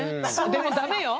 でもダメよ。